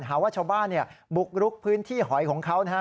หาว่าชาวบ้านเนี่ยบุกรุกพื้นที่หอยของเขานะครับ